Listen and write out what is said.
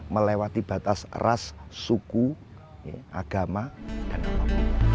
melewati batas ras suku agama dan apa pun